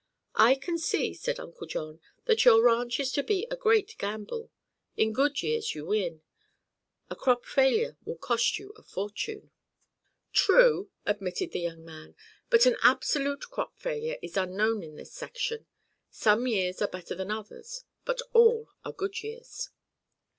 "I can see," said Uncle John, "that your ranch is to be a great gamble. In good years, you win; a crop failure will cost you a fortune." "True," admitted the young man; "but an absolute crop failure is unknown in this section. Some years are better than others, but all are good years."